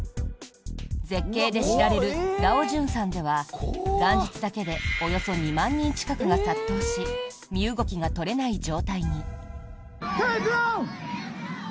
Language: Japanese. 絶景で知られる老君山では元日だけでおよそ２万人近くが殺到し身動きが取れない状態に。